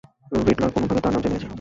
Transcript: Riddler কোনোভাবে তার নাম জেনে গেছে।